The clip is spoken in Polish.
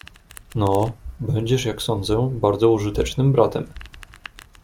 "No, będziesz, jak sądzę, bardzo użytecznym bratem."